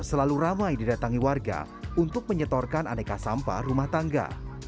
selalu ramai didatangi warga untuk menyetorkan aneka sampah rumah tangga